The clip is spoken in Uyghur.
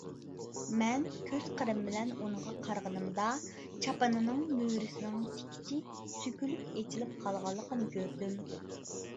مەن كۆز قىرىم بىلەن ئۇنىڭغا قارىغىنىمدا، چاپىنىنىڭ مۈرىسىنىڭ تىكىچى سۆكۈلۈپ ئېچىلىپ قالغانلىقىنى كۆردۈم.